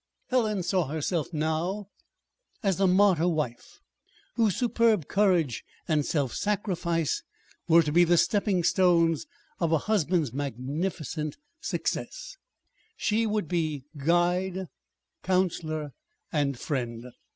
Helen saw herself now as the martyr wife whose superb courage and self sacrifice were to be the stepping stones of a husband's magnificent success. She would be guide, counselor, and friend.